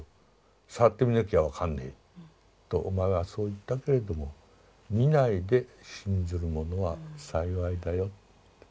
触ってみなきゃ分かんねえとお前はそう言ったけれども見ないで信ずるものは幸いだよ。